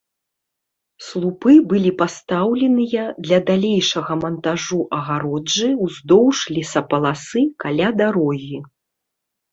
Слупы былі пастаўленыя для далейшага мантажу агароджы ўздоўж лесапаласы каля дарогі.